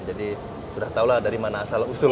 jadi sudah tahu lah dari mana asal usul